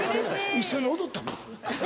一緒に踊ったもん。